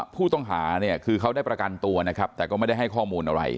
ผู้ต้องหาเนี่ยคือเขาได้ประกันตัวนะครับแต่ก็ไม่ได้ให้ข้อมูลอะไร